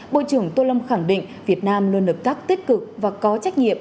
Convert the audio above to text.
bộ trưởng tô lâm khẳng định việt nam luôn được các tích cực và có trách nhiệm